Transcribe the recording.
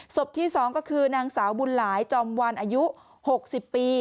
ศพที่๒ก็คือนางสาวบุญหลายจอมวันอายุ๖๐ปี